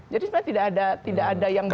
jadi sebenarnya tidak ada yang baru